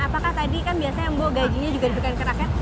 apakah tadi kan biasanya mbok gajinya juga diperlukan keragian